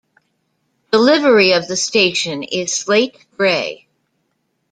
The livery of the station is slate grey.